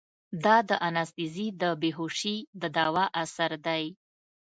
دا د انستيزي د بېهوشي د دوا اثر ديه.